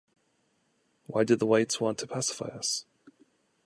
Why did the whites want to pacify us?